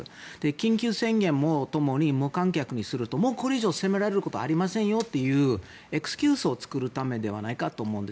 緊急宣言もともに観客にするとこれ以上責められることありませんよというエクスキューズを作るためではないかと思うんです。